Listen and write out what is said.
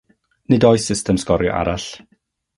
Nid oes system sgorio arall.